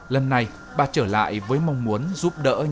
lần này bà trở lại với mong muốn giúp đỡ